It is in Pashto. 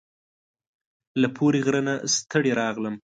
له پوري غره نه ستړي راغلم